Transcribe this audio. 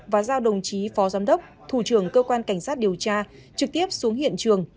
và giao đồng chí phó giám đốc thủ trưởng cơ quan cảnh sát điều tra trực tiếp xuống hiện trường